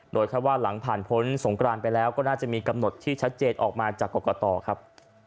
โดยคาดว่าหลังผ่านพ้นสงกรานไปแล้วก็น่าจะมีกำหนดที่ชัดเจนออกมาจากกรกตครับ